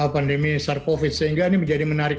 pandemi sars cov dua sehingga ini menjadi menarik